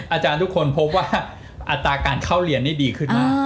อาจารย์ทุกคนพบว่าอัตราการเข้าเรียนนี่ดีขึ้นมาก